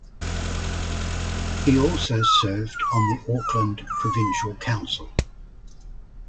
He also served on the Auckland Provincial Council.